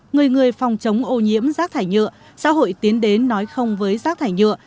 người người phòng chống ô nhiễm rác thải nhựa xã hội tiến đến nói không với rác thải nhựa